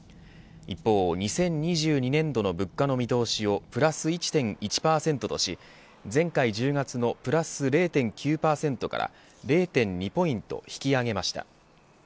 一方２０２２年度の物価の見通しをプラス１．１％とし前回１０月のプラス０．９％から０．２ポイント引き上げました。